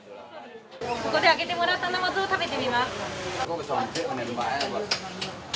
そこで揚げてもらったナマズを食べてみます。